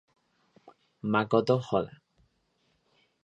Makoto Oda